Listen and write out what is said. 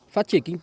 phát triển kinh tế